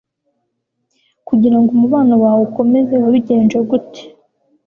kugira ngo umubano wawe ukomeze wabigenje gute